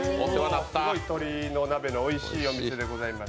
すごく鶏鍋のおいしいお店でございます。